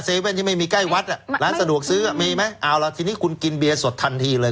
เว่นที่ไม่มีใกล้วัดร้านสะดวกซื้อมีไหมเอาล่ะทีนี้คุณกินเบียร์สดทันทีเลย